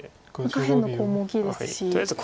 下辺のコウも大きいですし。